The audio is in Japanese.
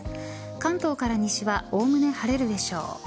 関東から西はおおむね晴れるでしょう。